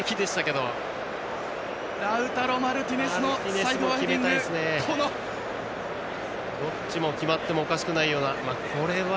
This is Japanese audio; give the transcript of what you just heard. どっちも決まってもおかしくないような。